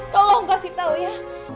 tolong kasih tau ya